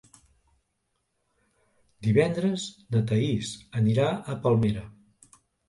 Divendres na Thaís anirà a Palmera.